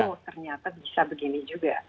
oh ternyata bisa begini juga